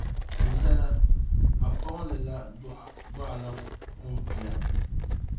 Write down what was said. N dana, a pɔŋli la dɔɣila pɔŋ pia.